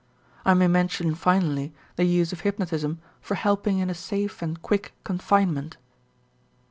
I may mention finally the use of hypnotism for helping in a safe and quick confinement.